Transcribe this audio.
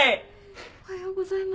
おはようございます。